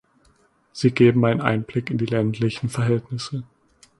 Sie geben einen Einblick in die ländlichen Verhältnisse.